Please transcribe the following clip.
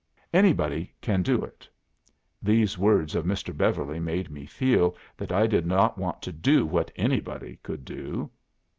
Anybody can do it.' These words of Mr. Beverly made me feel that I did not want to do what anybody could do.